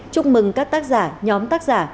chúc mừng các tác giả nhóm tác giả